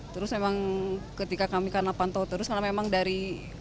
terus memang ketika kami kan nampan tahu terus karena memang dari